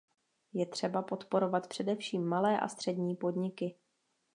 Je třeba podporovat především malé a střední podniky.